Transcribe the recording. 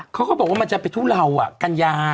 เขาก็บอกว่ามันจะไปทุเลากัญญา